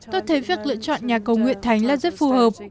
tôi thấy việc lựa chọn nhà cầu nguyện thánh là rất phù hợp